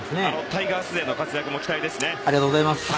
タイガース勢の活躍も期待ですね。